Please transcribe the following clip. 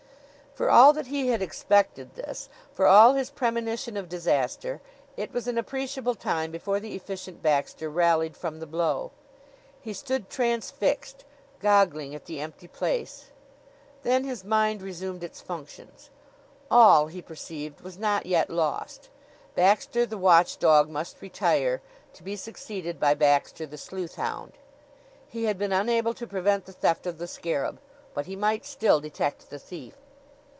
For all that he had expected this, for all his premonition of disaster, it was an appreciable time before the Efficient Baxter rallied from the blow. He stood transfixed, goggling at the empty place. Then his mind resumed its functions. All, he perceived, was not yet lost. Baxter the watchdog must retire, to be succeeded by Baxter the sleuthhound. He had been unable to prevent the theft of the scarab, but he might still detect the thief.